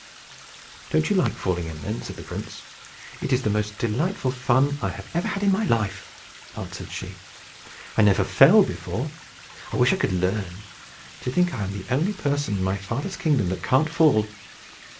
"Don't you like falling in, then?" said the prince. "It is the most delightful fun I ever had in my life," answered she. "I never fell before. I wish I could learn. To think I am the only person in my father's kingdom that can't fall!"